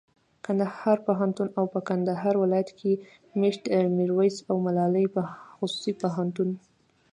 کندهار پوهنتون او په کندهار ولایت کښي مېشت میرویس او ملالي خصوصي پوهنتون